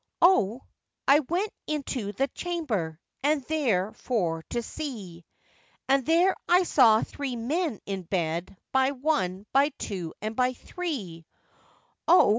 O! I went into the chamber, and there for to see, And there I saw three men in bed, by one, by two, and by three; O!